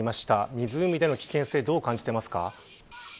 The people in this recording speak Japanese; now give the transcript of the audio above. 湖での危険性どう感じてますか。